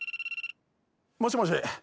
もしもし？